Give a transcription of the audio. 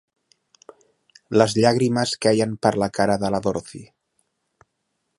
Les llàgrimes queien per la cara de la Dorothy.